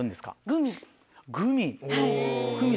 グミ？